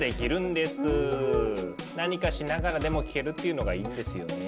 何かしながらでも聞けるっていうのがいいんですよね。